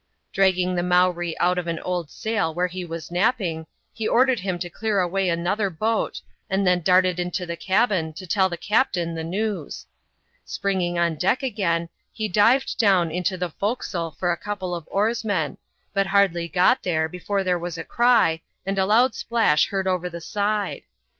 Dragging the Mowree out of an old §edl where he was nap* ping, he ordered him to clear away /mother boat, and then darted into the cabin to tell the captain the news. Springing on deck again, he dived down into the forecastle for a couple of oarsmen, but hardly got there before there was a cry, and a loud splash heard over the side.